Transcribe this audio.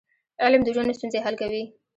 علم د ژوند ستونزې حل کوي.